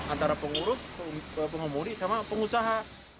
antara pengurus pengemudi sama pengusaha